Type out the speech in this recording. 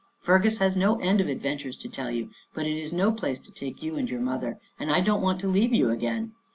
Fergus has no end of adventures to tell you, but it is no place to take you and your mother, and I don't want to leave you again."